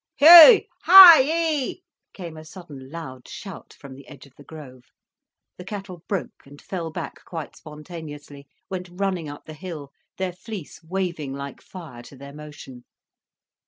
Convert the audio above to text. "Hue! Hi eee!" came a sudden loud shout from the edge of the grove. The cattle broke and fell back quite spontaneously, went running up the hill, their fleece waving like fire to their motion.